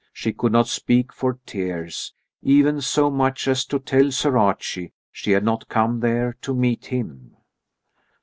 She could not speak for tears, even so much as to tell Sir Archie she had not come there to meet him.